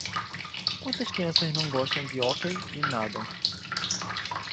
Quantas crianças não gostam de hóquei e nadam?